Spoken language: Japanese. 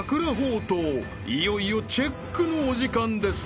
［いよいよチェックのお時間です］